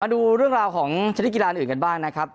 ดูเรื่องราวของชนิดกีฬาอื่นกันบ้างนะครับ